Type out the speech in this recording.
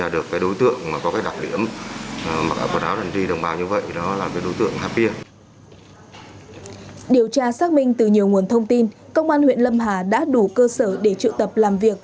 điều tra xác minh từ nhiều nguồn thông tin công an huyện lâm hà đã đủ cơ sở để trự tập làm việc